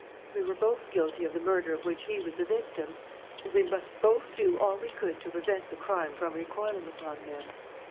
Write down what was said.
We were both guilty of the murder of which he was the victim; and we must both do all we could to prevent the crime from recoiling upon them....